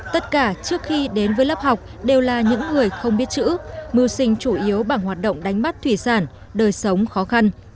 tất cả trước khi đến với lớp học đều là những người không biết chữ mưu sinh chủ yếu bằng hoạt động đánh bắt thủy sản đời sống khó khăn